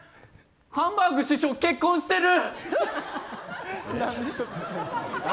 ハンバーグ師匠、結婚してる。